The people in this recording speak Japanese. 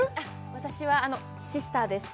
私はあのシスターです